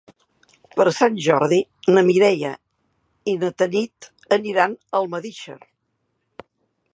Per Sant Jordi na Mireia i na Tanit aniran a Almedíxer.